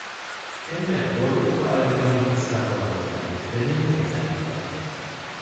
އެންމެ ބޮޑު އުފާވެރިކަމެއް ހިއްސާކުރަމުން ދަނީ ދެމީހުންގެ މައިންބަފައިން